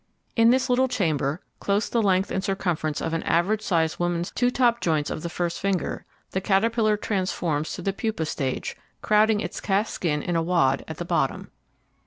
In this little chamber close the length and circumference of an average sized woman's two top joints of the first finger, the caterpillar transforms to the pupa stage, crowding its cast skin in a wad at the bottom.